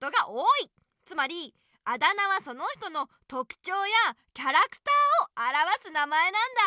つまりあだ名はその人のとくちょうやキャラクターをあらわす名前なんだ。